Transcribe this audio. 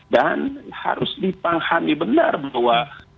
dan harus dipahami benar bahwa